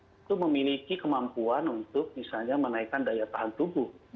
itu memiliki kemampuan untuk misalnya menaikkan daya tahan tubuh